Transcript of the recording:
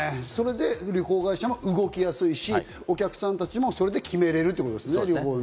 旅行会社も動きやすいし、お客さんたちも決めれるてということですね。